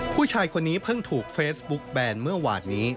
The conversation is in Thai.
ผู้ชายคนนี้เพิ่งถูกเฟซบุ๊กแบนเมื่อวานนี้